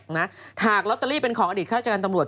นะหากลอตเตอรี่เป็นของอดีตข้าราชการตำรวจ